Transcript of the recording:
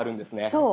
そう！